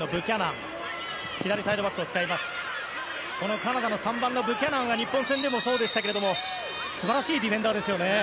カナダの３番のブキャナンは日本戦でもそうでしたが素晴らしいディフェンダーですよね。